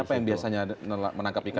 siapa yang biasanya menangkap ikan di situ